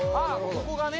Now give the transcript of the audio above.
ここがね